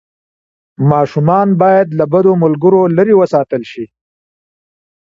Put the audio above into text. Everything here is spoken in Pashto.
ماشومان باید له بدو ملګرو لرې وساتل شي.